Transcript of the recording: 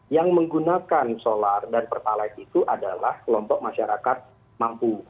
yang menggunakan solar dan pertalite itu adalah kelompok masyarakat mampu